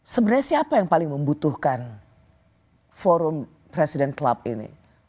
sebenarnya siapa yang paling membutuhkan forum presiden club ini